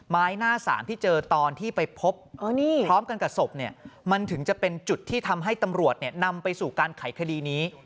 ไม้หน้าสามที่เจอตอนที่ไปพบพร้อมกันกับศพเนี่ยมันถึงจะเป็นจุดที่ทำให้ตำรวจนำไปสู่การไขคดีนี้